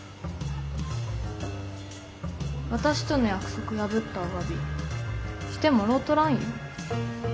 私との約束破ったおわびしてもろうとらんよ。